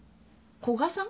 古賀さん？